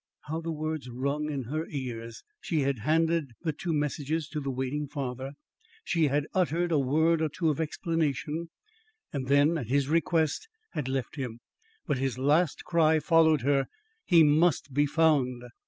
How the words rung in her ears. She had handed in the messages to the waiting father; she had uttered a word or two of explanation, and then, at his request, had left him. But his last cry followed her: "He must be found!"